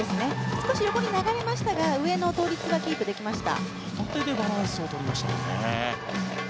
少し横に流れましたが上の倒立はキープできました。